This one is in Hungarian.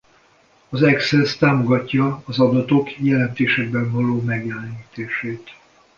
Az Access támogatja az adatok jelentésekben való megjelenítését.